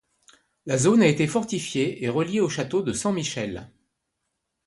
La zone a été fortifiée et relié au château de San Michele.